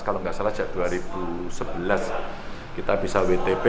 kalau nggak salah sejak dua ribu sebelas kita bisa wtp